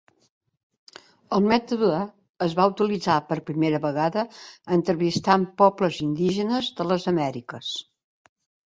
El mètode es va utilitzar per primera vegada entrevistant pobles indígenes de les Amèriques.